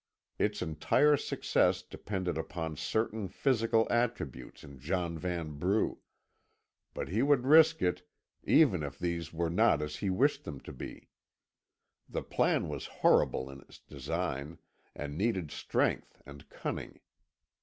Its entire success depended upon certain physical attributes in John Vanbrugh but he would risk it even if these were not as he wished them to be. The plan was horrible in its design, and needed strength and cunning.